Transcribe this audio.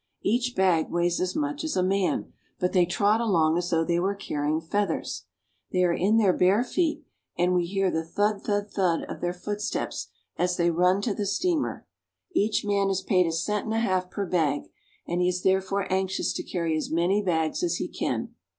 Each bag weighs as much as a man, but they trot along as though they were carrying feathers. They are in theii bare feet, and we hear the thud, thud, thud, of their foot> steps as they run to the steamer. Each man is paid a cent and a half per bag, and he is therefore anxious to carry as many bags as he can.